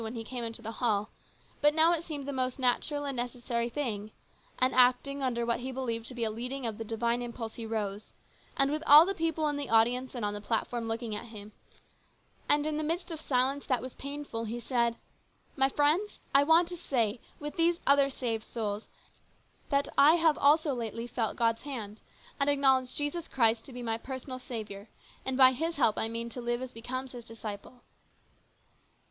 147 when he came into the hall, but now it seemed the most natural and necessary thing, and acting under what he believed to be a leading of the divine impulse he rose, and with all the people in the audience and on the platform looking at him, and in the midst of silence that was painful, he said :" My friends, I want to say with these other saved souls that I have also lately felt God's hand, and acknow ledge Jesus Christ to be my personal Saviour, and by His help I mean to live as becomes His disciple."